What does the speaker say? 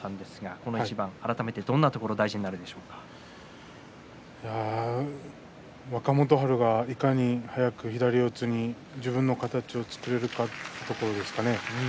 この一番を改めて若元春がいかに速く左四つに自分の形になれるかどうかというところですかね。